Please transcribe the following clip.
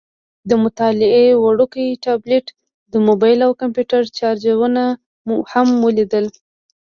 د مطالعې وړوکی ټابلیټ، د موبایل او کمپیوټر چارجرونه هم ولیدل.